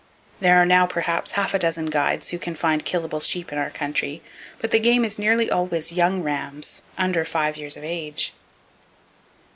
There are now perhaps half a dozen guides who can find killable sheep in our country, but the game is nearly always young rams, under five years of age.